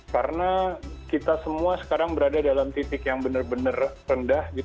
karena kita semua sekarang berada dalam titik yang benar benar rendah